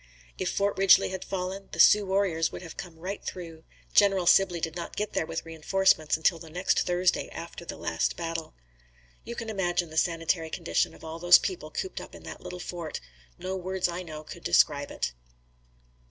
If Fort Ridgely had fallen, the Sioux warriors would have come right through. General Sibley did not get there with reinforcements until the next Thursday after the last battle. You can imagine the sanitary condition of all those people cooped up in that little fort. No words I know could describe it.